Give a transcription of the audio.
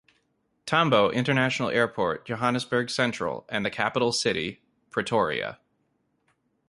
Tambo International Airport, Johannesburg Central and the Capital City, Pretoria.